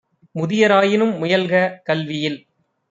முதிய ராயினும் முயல்க கல்வியில்!